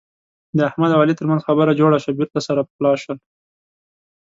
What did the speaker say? د احمد او علي ترمنځ خبره جوړه شوه. بېرته سره پخلا شول.